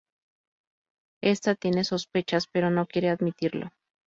Esta tiene sospechas pero no quiere admitirlo.